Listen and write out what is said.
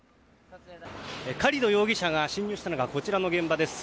カリド容疑者が侵入したのがこちらの現場です。